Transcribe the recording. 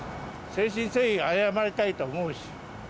誠心誠意、謝りたいと思うし。